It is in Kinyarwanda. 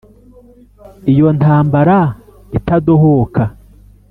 iyo ntambara itadohoka